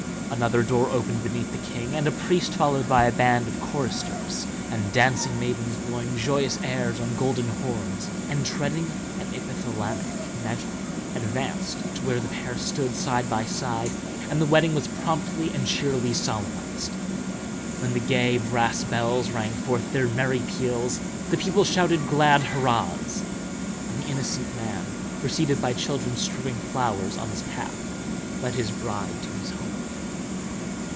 Another door opened beneath the king, and a priest, followed by a band of choristers, and dancing maidens blowing joyous airs on golden horns and treading an epithalamic measure, advanced to where the pair stood, side by side, and the wedding was promptly and cheerily solemnized. Then the gay brass bells rang forth their merry peals, the people shouted glad hurrahs, and the innocent man, preceded by children strewing flowers on his path, led his bride to his home.